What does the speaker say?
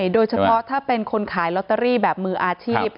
โดยเฉพาะถ้าเป็นคนขายลอตเตอรี่แบบมืออาชีพ